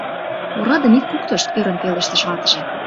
— Орадым ит куктышт, — ӧрын пелештыш ватыже.